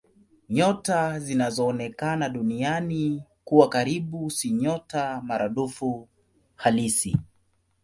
Nyota zinazoonekana Duniani kuwa karibu si nyota maradufu halisi.